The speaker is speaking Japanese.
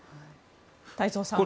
太蔵さん。